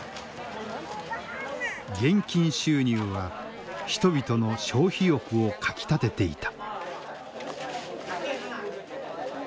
現金収入は人々の消費欲をかきたてていた。